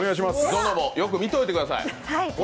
ぞのもよく見ておいてください